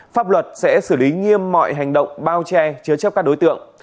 pháp luật sẽ xử lý nghiêm mọi hành động bao che chứa chấp các đối tượng